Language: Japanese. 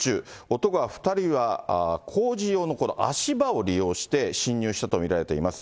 男は、２人は、工事用の足場を利用して侵入したと見られています。